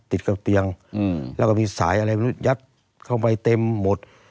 ติดกับเตียงแล้วก็มีสายอะไรยัดเข้าไปเต็มหมด